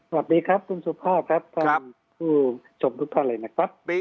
สวัสดีครับคุณสุภาพครับท่านผู้ชมทุกท่านเลยนะครับ